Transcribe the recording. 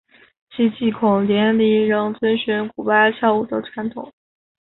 其祭孔典礼仍遵循古八佾舞的传统。